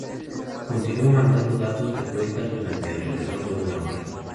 Continuó mandando datos de vuelta durante alrededor de una hora.